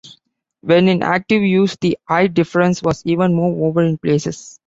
When in active use, the height difference was even more, over in places.